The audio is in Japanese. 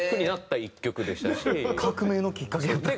革命のきっかけやったんや。